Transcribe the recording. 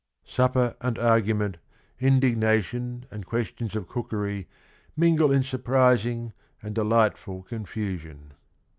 Supper and argument, indignation and ques tions of cookery, mingle in surprising and de lightful confusion.